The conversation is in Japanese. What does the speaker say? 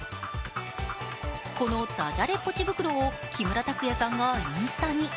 このだじゃれポチ袋を木村拓哉さんがインスタに。